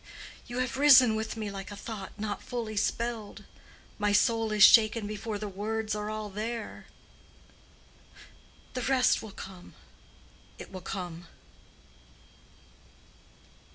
You have risen within me like a thought not fully spelled; my soul is shaken before the words are all there. The rest will come—it will come."